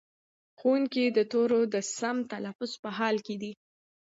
ښوونکی د تورو د سم تلفظ په حال کې دی.